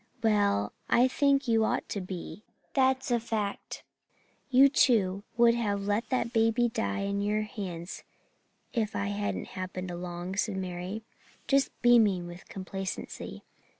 "'Well, I think you ought to be, that's a fact. You two would have let that baby die on your hands if I hadn't happened along,' said Mary, just beaming with complacency.